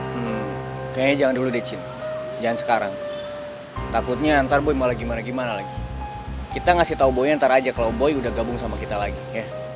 hmm kayaknya jangan dulu deh cin jangan sekarang takutnya ntar boy malah gimana gimana lagi kita ngasih tau boy ntar aja kalo boy udah gabung sama kita lagi ya